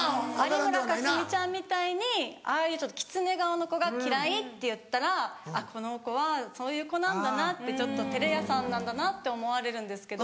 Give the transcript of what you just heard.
有村架純ちゃんみたいにああいうキツネ顔の子が「嫌い」って言ったらこの子はそういう子なんだなってちょっと照れ屋さんなんだなって思われるんですけど。